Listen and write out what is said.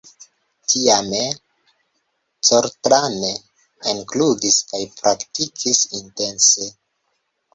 Tiame Coltrane ekludis kaj praktikis intense.